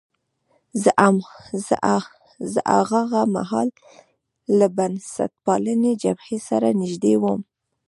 زه هاغه مهال له بنسټپالنې جبهې سره نژدې وم.